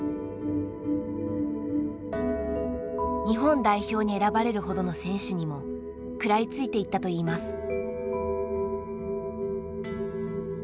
日本代表に選ばれるほどの選手にも食らいついていったといいます。